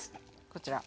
こちら。